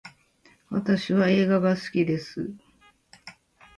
私は映画が好きです